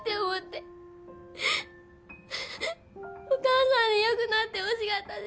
お母さんによくなってほしかったし。